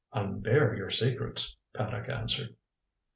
"Unbare your secrets," Paddock answered.